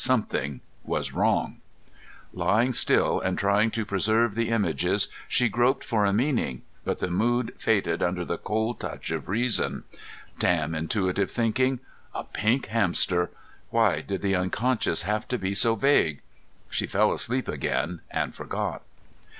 Something was wrong. Lying still and trying to preserve the images, she groped for a meaning, but the mood faded under the cold touch of reason. Damn intuitive thinking! A pink hamster! Why did the unconscious have to be so vague? She fell asleep again and forgot.